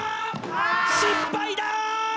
失敗だ！